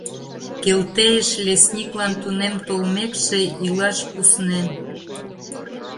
Келтейыш, лесниклан тунем толмекше, илаш куснен.